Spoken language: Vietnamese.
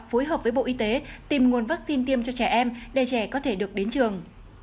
phối hợp với bộ y tế tìm nguồn vaccine tiêm cho trẻ em để trẻ có thể được đến trường